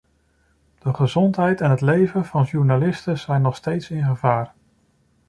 De gezondheid en het leven van de journaliste zijn nog steeds in gevaar.